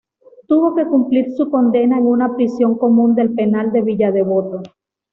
Tuvo que cumplir su condena en una prisión común del Penal de Villa Devoto.